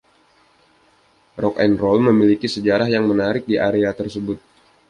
Rock'n'Roll memiliki sejarah yang menarik di area tersebut.